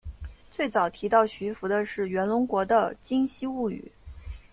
最早提到徐福的是源隆国的今昔物语。